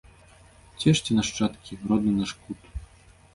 Цешце, нашчадкі, родны наш кут!